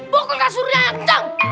buku kasurnya ya kacau